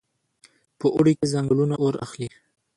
په اوړي کې ځنګلونه اور اخلي.